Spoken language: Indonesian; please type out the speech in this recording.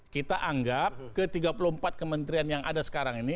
kita anggap ke tiga puluh empat kementerian yang ada sekarang ini